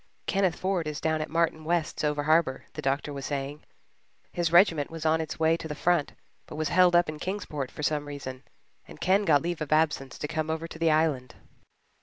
"Kenneth Ford is down at Martin West's over harbour," the doctor was saying. "His regiment was on its way to the front but was held up in Kingsport for some reason, and Ken got leave of absence to come over to the Island."